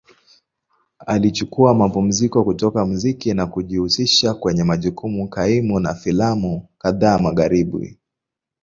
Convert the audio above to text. Alichukua mapumziko kutoka muziki na kujihusisha kwenye majukumu kaimu na filamu kadhaa Magharibi.